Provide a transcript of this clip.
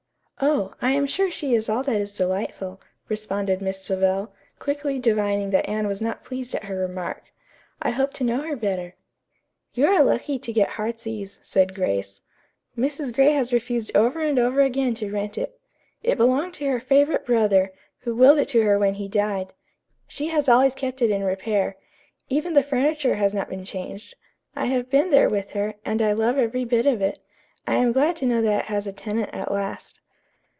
"Oh, I am sure she is all that is delightful," responded Miss Savell, quickly divining that Anne was not pleased at her remark. "I hope to know her better." "You are lucky to get 'Heartsease,'" said Grace. "Mrs. Gray has refused over and over again to rent it. It belonged to her favorite brother, who willed it to her when he died. She has always kept it in repair. Even the furniture has not been changed. I have been there with her, and I love every bit of it. I am glad to know that it has a tenant at last."